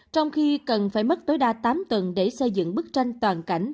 trong khi cần phải mất tối đa tám tuần để xây dựng bức tranh toàn cảnh